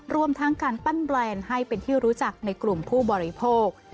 รวมทั้งการปั้นแบรนด์ให้เป็นที่รู้จักในกลุ่มผู้บริโภค